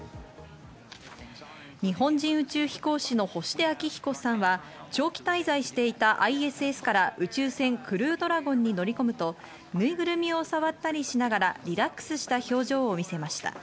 日本人宇宙飛行士の星出彰彦さんは長期滞在していたＩＳＳから宇宙船クルードラゴンに乗り込むと、ぬいぐるみを触ったりしながらリラックスした表情を見せました。